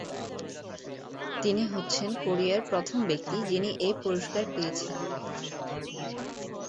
তিনি হচ্ছেন কোরিয়ার প্রথম ব্যক্তি যিনি এ পুরস্কার পেয়েছেন।